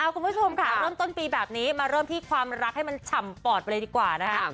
คุณผู้ชมค่ะเริ่มต้นปีแบบนี้มาเริ่มที่ความรักให้มันฉ่ำปอดไปเลยดีกว่านะคะ